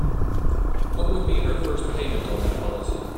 What would be her first payment on that policy?